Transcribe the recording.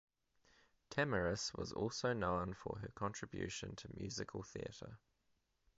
Tamiris was also known for her contribution to musical theatre.